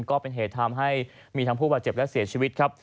ก็เป็นเหตุทำให้มีทั้งผู้บาดเจ็บและเสียชีวิตครับ